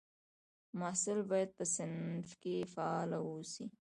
محصل باید په صنف کې فعال واوسي.